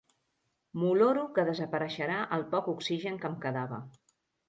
M'oloro que desapareixerà el poc oxigen que em quedava.